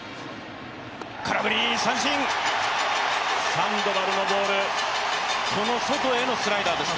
サンドバルのボール、この外へのスライダーですか。